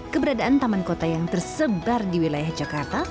keberadaan taman kota yang tersebar di wilayah jakarta